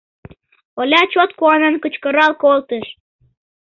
— Оля чот куанен кычкырал колтыш.